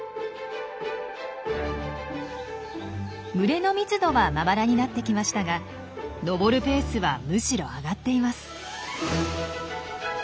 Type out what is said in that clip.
群れの密度はまばらになってきましたが登るペースはむしろ上がっています。